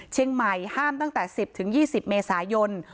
เชียงใหม่ห้ามตั้งแต่๑๐๒๐เมษายน